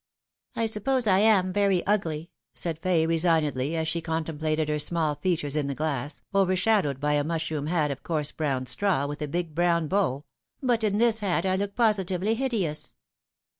" I suppose I am very ugly," said Fay resignedly, as she con templated her small features in the glass, overshadowed by a mushroom hat of coarse brown straw, with a big brown bow, " but in this hat I look positively hideous."